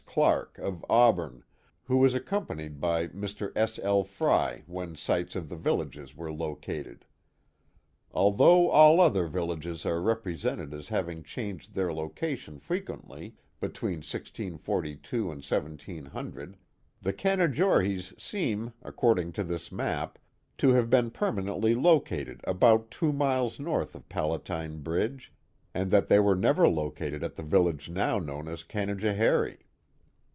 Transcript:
Clark, of Auburn, who was accompanied by Mr. S. L. Frey when sites of the villages were located. Although all other villages are represented as having changed their location frequently between 1642 and 1700, the Canajorhees seem (according to this map) to have been permanently located about two miles north of Palatine Bridge, and that they were never located at the village now known as Canajoharie.